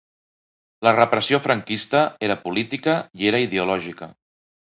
La repressió franquista era política i era ideològica.